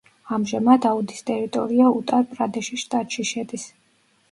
ამჟამად, აუდის ტერიტორია უტარ-პრადეშის შტატში შედის.